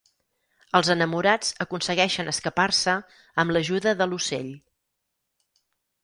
Els enamorats aconsegueixen escapar-se amb l'ajuda de l'Ocell.